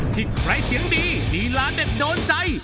ที่ใครเสียงดีลีลาเด็ดโดนใจ